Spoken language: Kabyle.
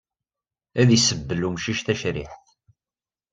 Ad isebbel umcic tacriḥt.